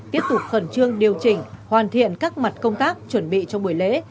tiếp tục khẩn trương điều chỉnh hoàn thiện các mặt công tác chuẩn bị cho buổi lễ